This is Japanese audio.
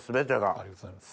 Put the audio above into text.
ありがとうございます。